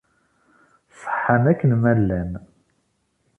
Ṣeḥḥan akken ma llan.